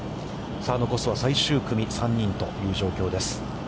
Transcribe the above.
さあ、残すは最終組、３人という状況です。